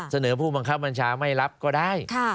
เสนอผู้บังคับบัญชาไม่รับก็ได้